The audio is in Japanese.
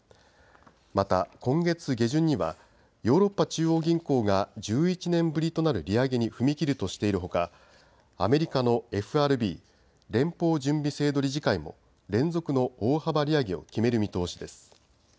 また今月下旬にはヨーロッパ中央銀行が１１年ぶりとなる利上げに踏み切るとしているほか、アメリカのＦＲＢ・連邦準備制度理事会も連続の大幅利上げを決める見通しです。